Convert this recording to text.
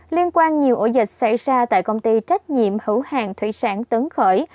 liên quan nhiều ổ dịch xảy ra tại công ty trách nhiệm hữu hàng thủy sản tấn khởi